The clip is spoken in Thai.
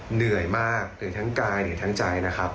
เหนื่อยมากเหนื่อยทั้งกายเหนื่อยทั้งใจนะครับ